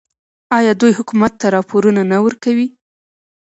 آیا دوی حکومت ته راپورونه نه ورکوي؟